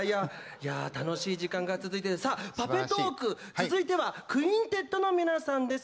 いや楽しい時間が続いてるさあ「パペトーーク」続いては「クインテット」の皆さんです。